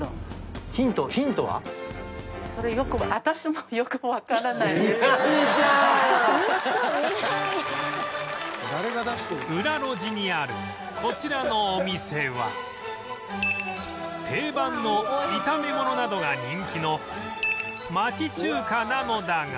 みなみちゃん」裏路地にあるこちらのお店は定番の炒め物などが人気の町中華なのだが